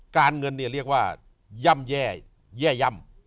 การเงินเนี่ยเรียกว่าย่ำแย่ย่ำ